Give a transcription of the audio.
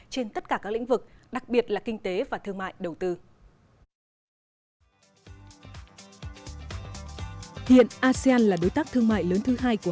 trên tất cả các lĩnh vực đặc biệt là kinh tế và thương mại đầu tư